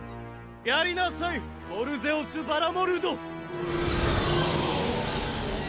やりなさいヴォルゼオス・バラモルド！